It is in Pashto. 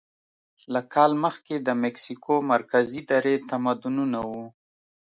له کال مخکې د مکسیکو مرکزي درې تمدنونه وو.